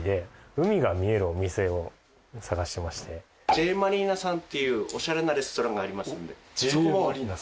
Ｊマリーナさんっていうおしゃれなレストランがあります。